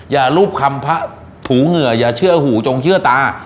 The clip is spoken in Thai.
อย่ารูปคำพระถูเหงื่ออย่าเชื่อหูจงเชื่อตา